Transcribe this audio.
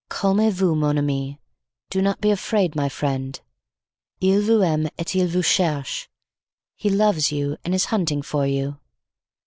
"Calmez vous, mon amie. Do not be afraid, my friend. Il vous aime et il vous cherche. He loves you and is hunting for you.